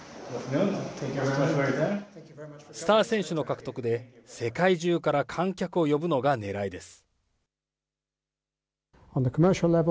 スター選手の獲得で、世界中から観客を呼ぶのがねらいです。